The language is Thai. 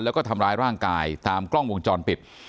แล้วก็ทำร้ายร่างกายตามกล้องวงจรปิด